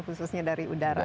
khususnya dari udara